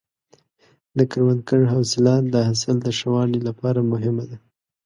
د کروندګر حوصله د حاصل د ښه والي لپاره مهمه ده.